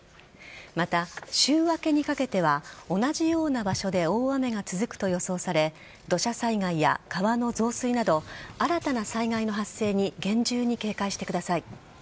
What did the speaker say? また、週明けにかけては同じような場所で大雨が続くと予想され土砂災害や川の増水など新たな災害の発生に厳重に警戒してください。